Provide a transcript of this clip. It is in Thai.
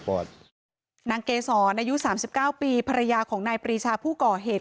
เป็นภรรยาของนายปรีชาผู้ก่อเหตุ